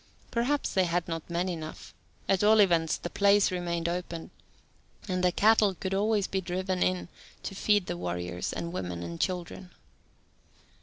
Perhaps they had not men enough; at all events the place remained open, and cattle could always be driven in to feed the warriors and the women and children.